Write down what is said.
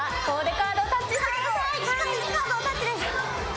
カードをタッチです。